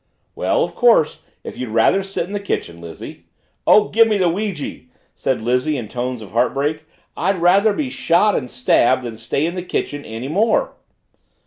"Well, of course, if you'd rather sit in the kitchen, Lizzie " "Oh, give me the ouijie!" said Lizzie in tones of heartbreak. "I'd rather be shot and stabbed than stay in the kitchen any more."